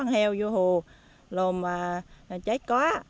tháng heo vô hồ lồ mà cháy quá